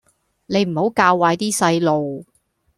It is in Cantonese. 你唔好教壞啲細路